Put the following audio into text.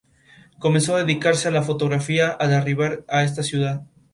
Comenzó a dedicarse a la fotografía al arribar a esta ciudad.